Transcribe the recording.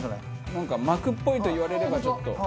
なんか膜っぽいと言われればちょっと。